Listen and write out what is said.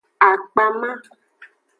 Akpama.